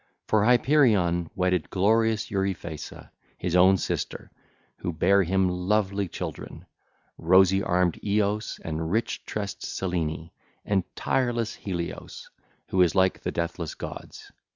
For Hyperion wedded glorious Euryphaessa, his own sister, who bare him lovely children, rosy armed Eos and rich tressed Selene and tireless Helios who is like the deathless gods.